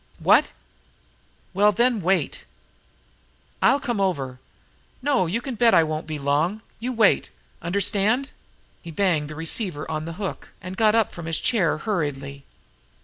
"What?....Well, then, wait! I'll come over....No, you can bet I won't be long! You wait! Understand?" He banged the receiver on the hook, and got up from his chair hurriedly.